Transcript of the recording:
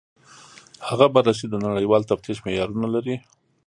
هغه بررسي د نړیوال تفتیش معیارونه لري.